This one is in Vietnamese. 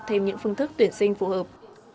thêm những phương thức tuyển sinh phù hợp